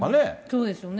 そうですよね。